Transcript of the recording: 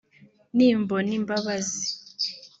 nimbona imbabazi